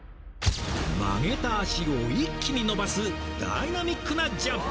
曲げた脚を一気に伸ばすダイナミックなジャンプ！